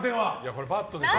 これ、バッドですよ。